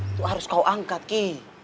itu harus kau angkat ki